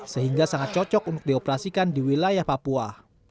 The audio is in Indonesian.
sehingga sangat cocok untuk dioperasikan di wilayah papua